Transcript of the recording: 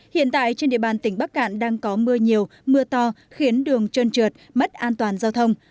hiện tại trên địa bàn tỉnh bắc cạn đang có mưa nhiều mưa to khiến đường trơn trượt mất an toàn giao thông